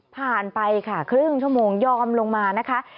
ผ่านไปค่ะครึ่งชั่วโมงยอมลงมานะคะ